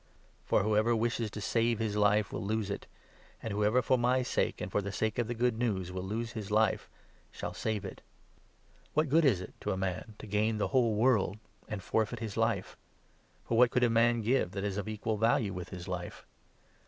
For 35 whoever wishes to save his life will lose it, and whoever, for my sake and for the sake of the Good News, will lose his life shall save it. What good is it to a man to gain the whole 36 world and forfeit his life ? For what could a man give that is 37 of equal value with his life